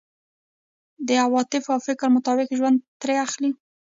د عواطفو او فکر مطابق ژوند ترې اخلو.